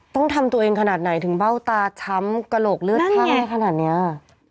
ตรงตามตัวจริงขนาดไหนถึงเบ้าตาช้ำกะโหลกเลือดข้างอย่างขนาดเนี่ย